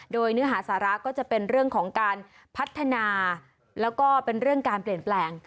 โดยเนื้อหาสาระก็จะเป็นเรื่องของการพัฒนาแล้วก็เป็นเรื่องการเปลี่ยนแปลง